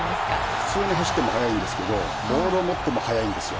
普通に走っても速いんですけどボールを持っても速いんですよ。